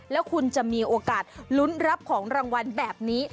แล้วคุณจะมีโอกาสลุ้นรับของรางวัลแบบนี้